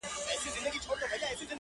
څه چي وایم دروغ نه دي حقیقت دی,